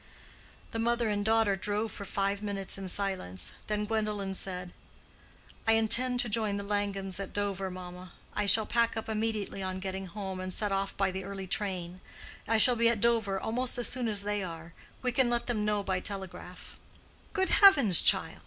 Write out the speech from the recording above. The mother and daughter drove for five minutes in silence. Then Gwendolen said, "I intend to join the Langens at Dover, mamma. I shall pack up immediately on getting home, and set off by the early train. I shall be at Dover almost as soon as they are; we can let them know by telegraph." "Good heavens, child!